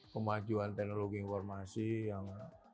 kemajuan teknologi informasi yang